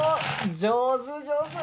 上手上手！